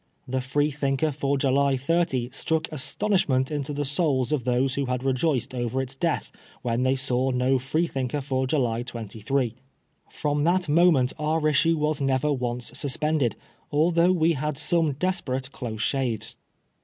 The Freethinker for July 30 struck astonishment into the souls of those who had rejoiced over its death when they saw no Freethinker for July 23. From that moment our issue was never once suspended, although we had some desperate close shaves.